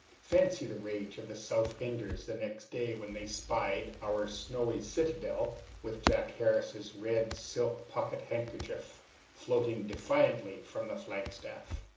Fancy the rage of the South Enders the next day, when they spied our snowy citadel, with Jack Harris's red silk pocket handkerchief floating defiantly from the flag staff.